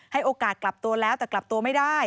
โอกาสกลับตัวแล้วแต่กลับตัวไม่ได้